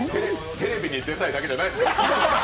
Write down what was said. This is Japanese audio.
テレビに出たいだけじゃないですか？